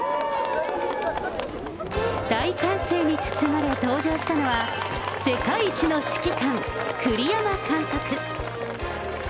大歓声に包まれ登場したのは、世界一の指揮官、栗山監督。